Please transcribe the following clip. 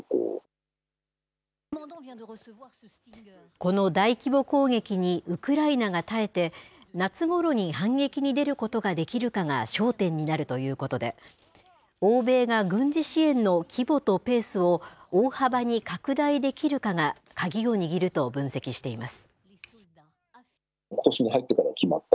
この大規模攻撃にウクライナが耐えて、夏ごろに反撃に出ることができるかが焦点になるということで、欧米が軍事支援の規模とペースを大幅に拡大できるかが、鍵を握ると分析しています。